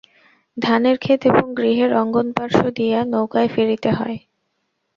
ধানের খেত এবং গৃহের অঙ্গনপার্শ্ব দিয়া নৌকায় ফিরিতে হয়।